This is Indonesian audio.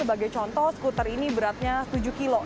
sebagai contoh skuter ini beratnya tujuh kilo